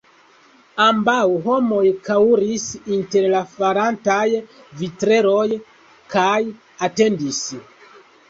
Ambaŭ homoj kaŭris inter la falantaj vitreroj kaj atendis.